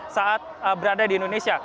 saat berada di indonesia